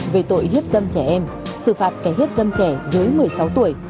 về tội hiếp dâm trẻ em sự phạt cái hiếp dâm trẻ dưới một mươi sáu tuổi